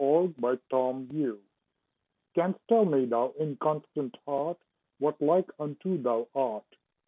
The Fickle Heart. CANST tell me, thou inconstant heart, What like unto thou art?